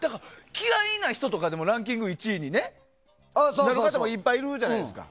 嫌いな人とかでもランキング１位とかもいっぱいいるじゃないですか。